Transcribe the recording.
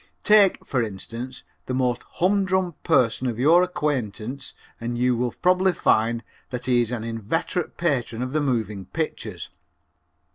Take, for instance, the most humdrum person of your acquaintance and you will probably find that he is an inveterate patron of the moving pictures.